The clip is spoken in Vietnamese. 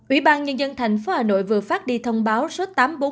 ủy ban nhân dân thành phố hà nội vừa phát đi thông báo số tám trăm bốn mươi hai